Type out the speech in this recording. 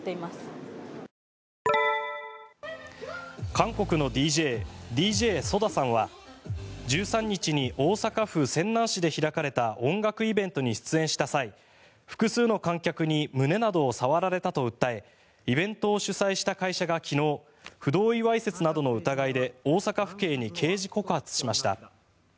韓国のＤＪＤＪＳＯＤＡさんは１３日に大阪府泉南市で開かれた音楽イベントに出演した際複数の観客に胸などを触られたと訴えイベントを主催した会社が昨日不同意わいせつなどの疑いで大阪府警に刑事告発しました。